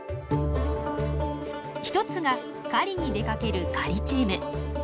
１つが狩りに出かける狩りチーム。